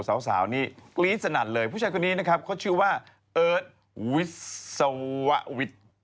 สาวนี่กรี๊ดสนั่นเลยผู้ชายคนนี้นะครับเขาชื่อว่าเอิร์ทวิศวะวิทย์